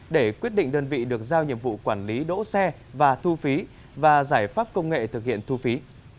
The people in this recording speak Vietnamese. để quyết định đơn vị được giao nhiệm vụ quản lý đỗ xe và thu phí và giải pháp công nghệ thực hiện thu phí